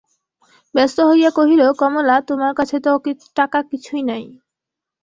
ব্যস্ত হইয়া কহিল, কমলা, তোমার কাছে তো টাকা কিছুই নাই।